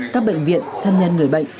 các bệnh viện thân nhân người bệnh